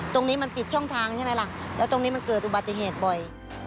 ตรงนี้มันปิดช่องทางใช่ไหมล่ะแล้วตรงนี้มันเกิดอุบัติเหตุบ่อย